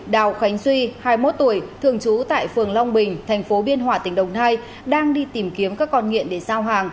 đào khánh duy hai mươi một tuổi thường trú tại phường long bình thành phố biên hòa tỉnh đồng nai đang đi tìm kiếm các con nghiện để giao hàng